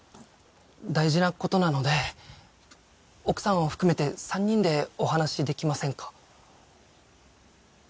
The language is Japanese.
大事なことなので奥さんを含めて三人でお話しできませんか？